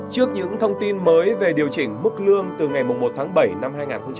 trước những thông tin mới về điều chỉnh mức lương từ ngày một tháng bảy năm hai nghìn hai mươi